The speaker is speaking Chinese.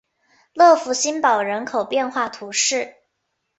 勒福新堡人口变化图示